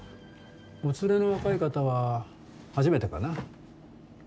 お連れの若い方は初めてかな。